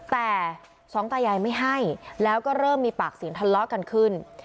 แต่สองตายายไม่ให้แล้วก็เริ่มมีปากเสียงทะเลาะกันขึ้น